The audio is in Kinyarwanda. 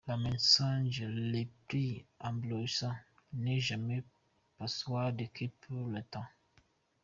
Le mensonge le plus éblouissant n’a jamais persuadé que pour un temps.